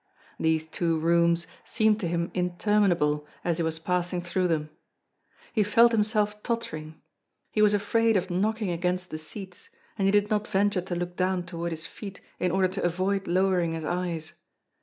These two rooms seemed to him interminable as he was passing through them. He felt himself tottering. He was afraid of knocking against the seats, and he did not venture to look down toward his feet in order to avoid lowering his eyes.